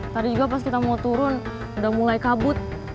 tadi juga pas kita mau turun udah mulai kabut